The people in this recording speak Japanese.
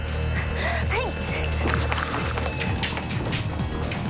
はい。